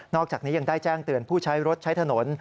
อกจากนี้ยังได้แจ้งเตือนผู้ใช้รถใช้ถนน